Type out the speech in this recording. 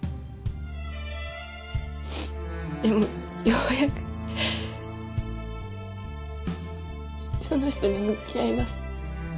でもようやくその人に向き合えます。